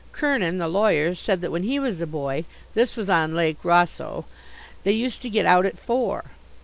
Kernin, the lawyer, said that when he was a boy this was on Lake Rosseau they used to get out at four.